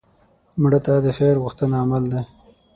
مړه ته د خیر غوښتنه عمل دی